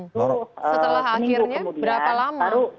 setelah akhirnya berapa lama